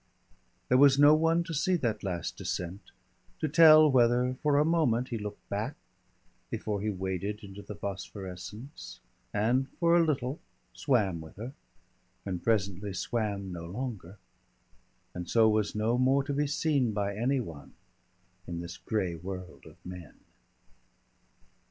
There was no one to see that last descent, to tell whether for a moment he looked back before he waded into the phosphorescence, and for a little swam with her, and presently swam no longer, and so was no more to be seen by any one in this gray world of men.